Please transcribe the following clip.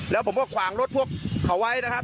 แล้วผมก็ขวางรถพวกเขาไว้นะครับ